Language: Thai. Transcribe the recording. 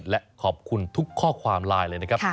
และขอบคุณทุกข้อความไลน์เลยนะครับ